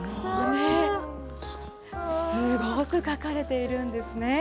すごく書かれているんですね。